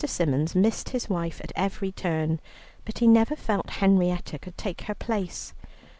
Symons missed his wife at every turn, but he never felt Henrietta could take her place.